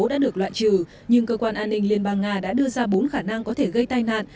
đã được loại trừ nhưng cơ quan an ninh liên bang nga đã đưa ra bốn khả năng có thể gây tai nạn